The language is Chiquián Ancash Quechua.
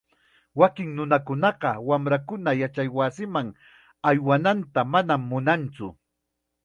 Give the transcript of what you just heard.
Wakin nunakunaqa wamrankuna yachaywasiman aywananta manam munantsu.